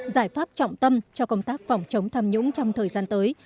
giải pháp trọng tâm cho công tác phòng chống tham nhũng trong thời gian tới